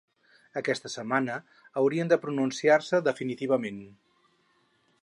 Aquesta setmana haurien de pronunciar-se definitivament.